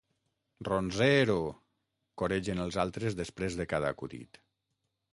Ronzeeero! —coregen els altres després de cada acudit—